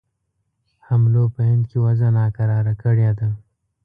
حملو په هند کې وضع ناکراره کړې ده.